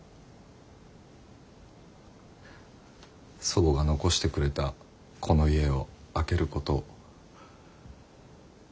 祖母が残してくれたこの家を空けること。